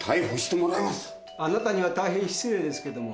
あなたには大変失礼ですけれども。